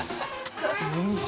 全身！